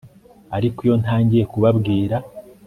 Ariko iyo ntangiye kubabwira